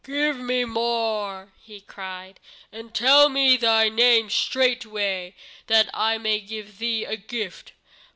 "Give me more," he cried, "and tell me thy name straightway, that I may give thee a gift.